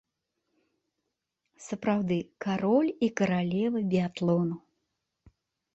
Сапраўды, кароль і каралева біятлону.